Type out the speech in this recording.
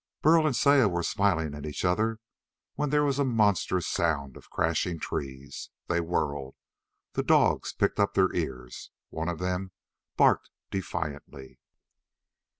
Burl and Saya were smiling at each other when there was a monstrous sound of crashing trees. They whirled. The dogs pricked up their ears. One of them barked defiantly.